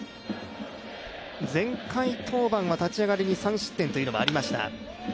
前回登板は立ち上がりに３失点というのもありました